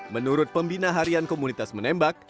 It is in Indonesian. menurut pembina harian komunitas menembak